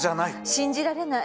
信じられない。